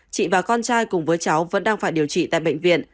chị và con trai cùng với cháu vẫn đang phải điều trị tại bệnh viện